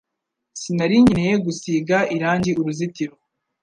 Sinari nkeneye gusiga irangi uruzitiro